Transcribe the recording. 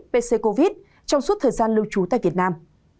pc covid trong suốt thời gian lưu trú tại việt nam